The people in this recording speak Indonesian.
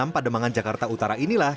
pademangan jakarta utara inilah